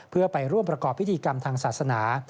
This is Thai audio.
เพื่อไปร่วมประกอบพิธีกรรมทางศาสนา